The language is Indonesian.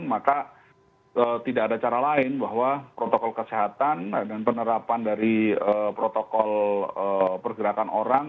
maka tidak ada cara lain bahwa protokol kesehatan dan penerapan dari protokol pergerakan orang